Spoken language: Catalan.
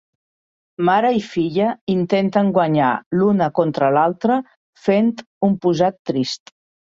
Mare i filla intenten guanyar l'una contra l'altre fent un posat trist.